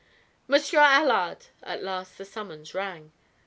"Monsieur Allard!" at last the summons rang.